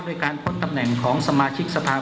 ด้วยการพ้นตำแหน่งของสมาชิกสภาพ